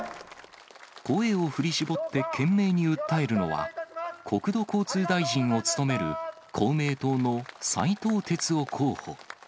声を振り絞って懸命に訴えるのは、国土交通大臣を務める公明党の斉藤鉄夫候補。